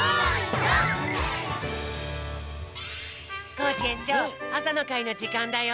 コージえんちょうあさのかいのじかんだよ。